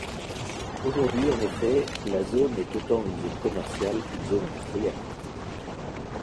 Aujourd'hui en effet, la zone est autant une zone commerciale qu'une zone industrielle.